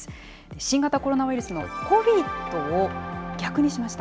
新型コロナウイルスのＣＯＶＩＤを逆にしました。